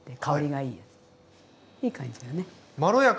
いい感じだね。